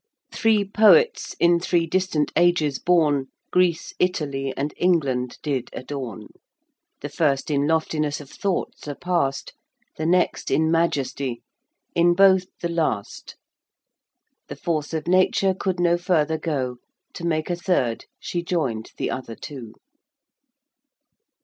Three poets in three distant ages born, Greece, Italy, and England did adorn: The first in loftiness of thought surpassed, The next in majesty in both the last. The force of Nature could no further go; To make a third she joined the other two.